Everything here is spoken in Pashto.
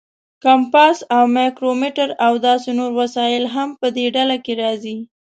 کمپاس او مایکرومیټر او داسې نور وسایل هم په دې ډله کې راځي.